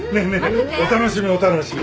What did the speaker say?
お楽しみお楽しみ。